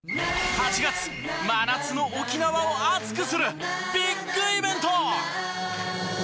８月、真夏の沖縄を熱くするビッグイベント。